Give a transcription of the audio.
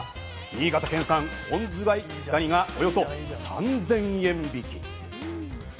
新潟県産本ズワイガニがおよそ３０００円引き。